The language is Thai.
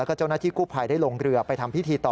แล้วก็เจ้าหน้าที่กู้ภัยได้ลงเรือไปทำพิธีต่อ